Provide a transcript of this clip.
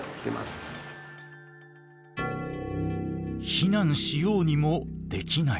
避難しようにもできない。